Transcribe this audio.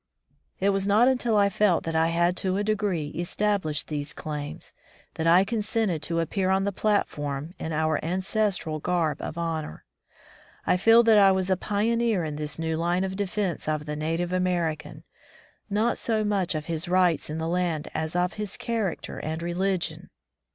It was not until I felt that I had to a degree established these claims, that I consented to appear on the platform in our ancestral garb of honor. I feel that I was a pioneer in this new line of defense of the native American, not so much of his rights in the land as of his character and religion.